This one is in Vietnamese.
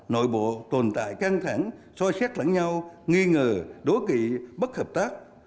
nội bộ tồn tại căng thẳng soi xét lẫn nhau nghi ngờ đối kỵ bất hợp tác